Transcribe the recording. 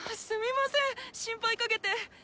すみません心配かけて。